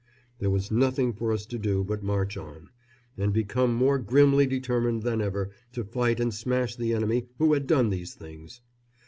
There was nothing for us to do but march on, and become more grimly determined than ever to fight and smash the enemy who had done these things.